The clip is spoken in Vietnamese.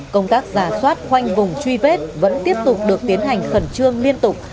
công tác giả soát khoanh vùng truy vết vẫn tiếp tục được tiến hành khẩn trương liên tục